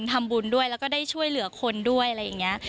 ทำบุญด้วยแล้วก็ได้ช่วยเหลือคนด้วยอะไรอย่างนี้